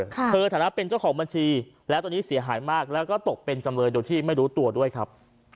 เธอฐานะเป็นเจ้าของบัญชีแล้วตอนนี้เสียหายมากแล้วก็ตกเป็นจำเลยโดยที่ไม่รู้ตัวด้วยครับ